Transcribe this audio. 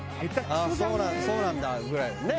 「あっそうなんだ」ぐらいのね。